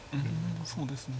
そうですね